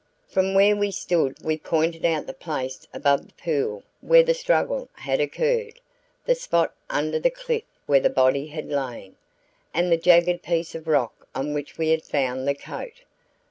From where we stood we pointed out the place above the pool where the struggle had occurred, the spot under the cliff where the body had lain, and the jagged piece of rock on which we had found the coat.